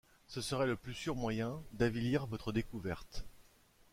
Ce serait le plus sûr moyen d’avilir votre découverte!